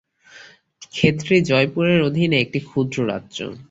খেতড়ি জয়পুরের অধীনে একটি ক্ষুদ্র রাজ্য।